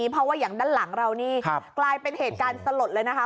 เพราะว่าอย่างด้านหลังเรานี่กลายเป็นเหตุการณ์สลดเลยนะคะ